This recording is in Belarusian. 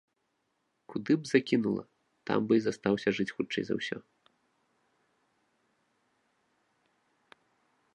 Куды б закінула, там бы і застаўся жыць хутчэй за ўсё.